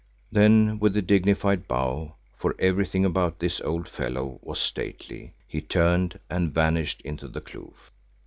Then with a dignified bow, for everything about this old fellow was stately, he turned and vanished into the kloof.